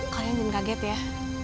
kalian jangan kaget ya